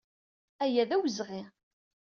Aya d awezɣi!